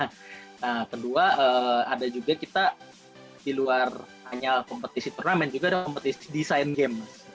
nah kedua ada juga kita di luar hanya kompetisi turnamen juga ada kompetisi desain game